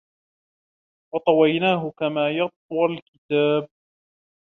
و طويناه كما يطوى الكتاب